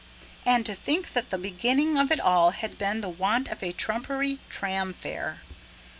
And to think that the beginning of it all had been the want of a trumpery tram fare.